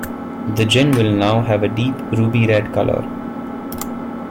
The gin will now have a deep ruby red colour.